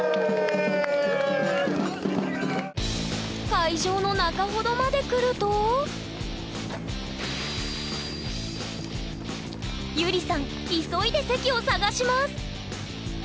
会場の中ほどまで来るとゆりさん急いで席を探します。